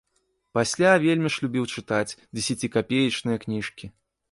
Пасля вельмі ж любіў чытаць дзесяцікапеечныя кніжкі.